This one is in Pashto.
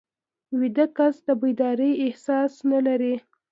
ویده کس د بیدارۍ احساس نه لري